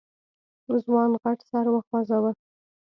ځوان غټ سر وخوځوه.